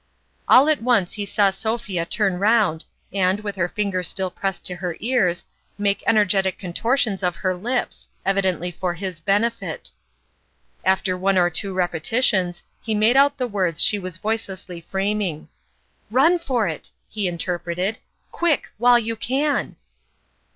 All at once he saw Sophia turn round and, with her fingers still pressed to her ears, make energetic contortions of her lips, evidently for his benefit. After one or two repetitions, he made out the words she was voicelessly fram ing. " Run far it !" he interpreted. " Quick ... while you can